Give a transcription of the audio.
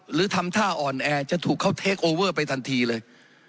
หรือทำท่าอ่อนแอจะถูกเขาเทคโอเวอร์ไปทันทีเลย